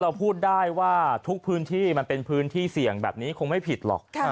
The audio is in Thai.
เราพูดได้ว่าทุกพื้นที่มันเป็นพื้นที่เสี่ยงแบบนี้คงไม่ผิดหรอก